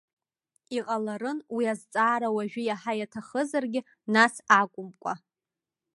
Иҟаларын уи азҵаара уажәы иаҳа иаҭахызаргьы, нас акәымкәа.